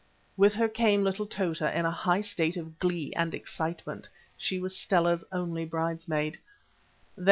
With her came little Tota in a high state of glee and excitement. She was Stella's only bridesmaid.